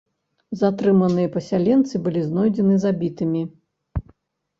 Затрыманыя пасяленцы, былі знойдзены забітымі.